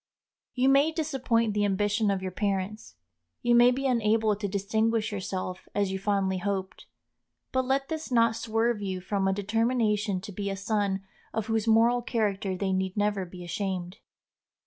You may disappoint the ambition of your parents, you may be unable to distinguish yourself as you fondly hoped; but let this not swerve you from a determination to be a son of whose moral character they need never be ashamed.